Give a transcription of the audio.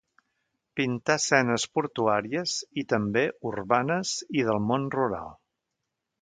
Pintà escenes portuàries i, també, urbanes i del món rural.